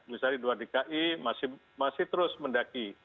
misalnya di luar di ki masih terus mendaki